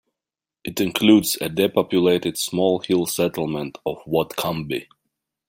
It includes a depopulated small hill settlement of Whatcombe.